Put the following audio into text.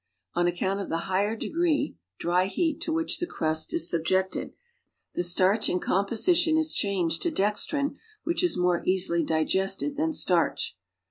On account of the higher degree (dry heat) to whicli the crust is subjected, the starch in composition is changed to dex trin which is more easily digested than starch.